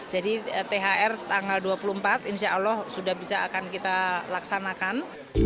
jadi thr tanggal dua puluh empat insya allah sudah bisa akan kita laksanakan